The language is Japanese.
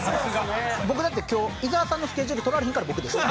僕だって今日伊沢さんのスケジュール取られへんから僕でしょ？